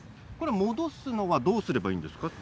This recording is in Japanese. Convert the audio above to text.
戻すのはどうやればいいんですか？